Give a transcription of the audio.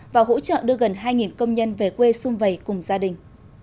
và hỗ trợ đưa gần hai công nhân về quê xung vầy cùng gia đình